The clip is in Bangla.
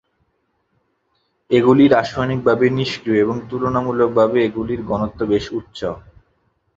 এগুলি রাসায়নিকভাবে নিষ্ক্রিয় এবং তুলনামূলকভাবে এগুলির ঘনত্ব বেশ উচ্চ।